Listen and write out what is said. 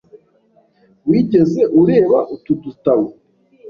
Wigeze ureba utu dutabo?